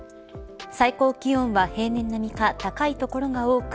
最高気温は平年並みか高い所が多く